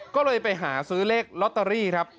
ก็เลยไปหาซื้อเลขลอตเตอรี่ครับ